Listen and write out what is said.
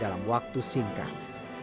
dalam waktu singkat